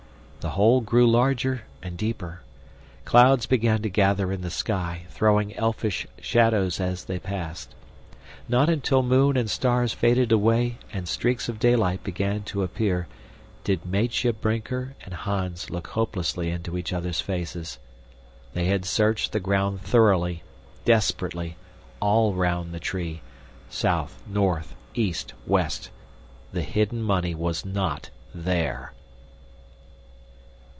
The hole grew larger and deeper. Clouds began to gather in the sky, throwing elfish shadows as they passed. Not until moon and stars faded away and streaks of daylight began to appear did Meitje Brinker and Hans look hopelessly into each other's faces. They had searched the ground thoroughly, desperately, all round the tree; south, north, east, west. THE HIDDEN MONEY WAS NOT THERE!